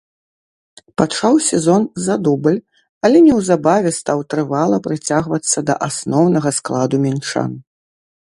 Пачаў сезон за дубль, але неўзабаве стаў трывала прыцягвацца да асноўнага складу мінчан.